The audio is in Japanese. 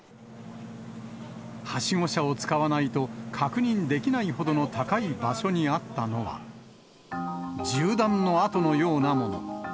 はしご車を使わないと、確認できないほどの高い場所にあったのは、銃弾の痕のようなもの。